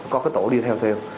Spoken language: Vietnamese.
có cái tổ đi theo thêu